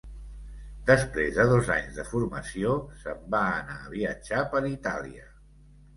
Després de dos anys de formació, se'n va anar a viatjar per Itàlia.